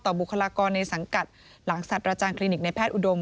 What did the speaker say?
บุคลากรในสังกัดหลังสัตว์อาจารย์คลินิกในแพทย์อุดม